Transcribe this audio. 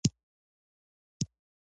د مالټې دانه د څه لپاره وکاروم؟